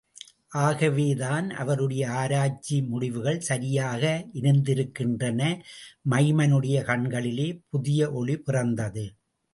ஆகவேதான் அவருடைய ஆராய்ச்சி முடிவுகள் சரியாக இருந்திருக்கின்றன. மைமனுடைய கண்களிலே புதிய ஒளி பிறந்தது.